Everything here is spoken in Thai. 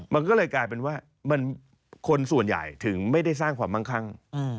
มันก็เลยกลายเป็นว่าคนส่วนใหญ่ถึงไม่ได้สร้างความมั่งคั่ง